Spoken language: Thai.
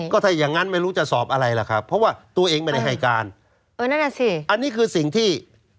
ก็ถ้าอย่างงั้นไม่รู้จะสอบอะไรล่ะครับเพราะว่าตัวเองไม่ได้ให้การเออนั่นแหละสิอันนี้คือสิ่งที่